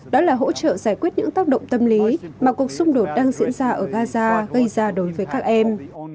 đó là hỗ trợ giải quyết những tác động tâm lý mà cuộc xung đột đang diễn ra ở gaza gây ra đối với các em